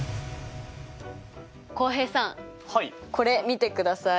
浩平さんこれ見てください。